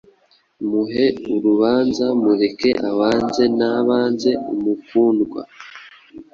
Muhe urubanza mureke abanze Nabanze Umukundwa,